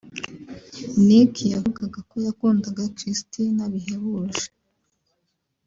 Nick yavugaga ko yakundaga Kristina bihebuje